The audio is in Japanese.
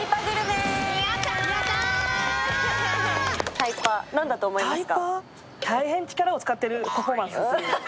タイパ、何だと思いますか？